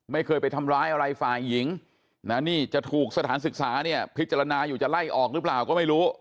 ไม่เคยไปทำร้ายอะไรฝ่ายหญิงนะนี่จะถูกสถานศึกษาเนี่ยพิจารณาอยู่จะไล่ออกหรือเปล่าก็ไม่รู้